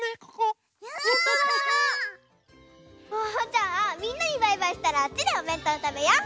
じゃあみんなにバイバイしたらあっちでおべんとうたべよう。